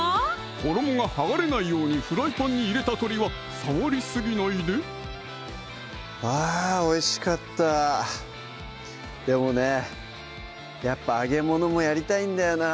衣が剥がれないようにフライパンに入れた鶏は触りすぎないであぁおいしかったでもねやっぱ揚げ物もやりたいんだよな